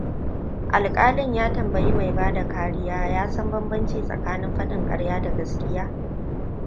Alƙalin ya tambayi mai bada kariya ya san banbaci tsakanin faɗin ƙarya da gaskiya.